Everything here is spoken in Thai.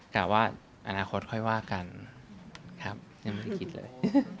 แต่ว่าอนาคตค่อยว่ากันครับยังไม่ได้คิดเลย